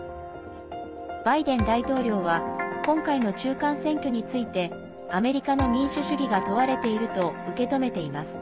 バイデン大統領は今回の中間選挙についてアメリカの民主主義が問われていると受け止めています。